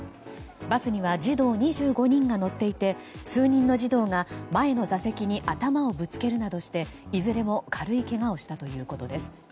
バスには児童２５人が乗っていて数人の児童が、前の座席に頭をぶつけるなどしていずれも軽いけがをしたということです。